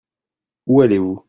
Où allez-vous ?